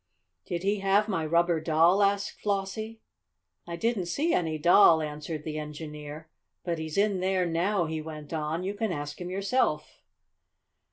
"Did he have my rubber doll?" asked Flossie. "I didn't see any doll," answered the engineer. "But he's in there now," he went on. "You can ask him yourself."